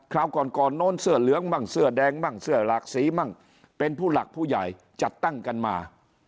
คราวก่อนก่อนโน้นเสื้อเหลืองมั่งเสื้อแดงมั่งเสื้อหลากสีมั่งเป็นผู้หลักผู้ใหญ่จัดตั้งกันมา